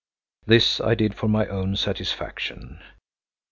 This I did for my own satisfaction.